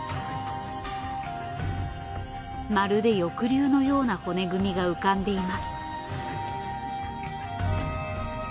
まるで翼竜のような骨組みが浮かんでいます。